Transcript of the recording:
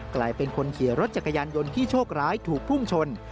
กลายเป็นคนขี่รถจักรยานยนต์ที่โชคร้ายถูกพุ่งชน